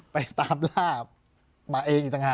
ไปตามล่ามาเองอีกต่างหาก